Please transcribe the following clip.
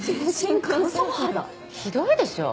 ひどいでしょ？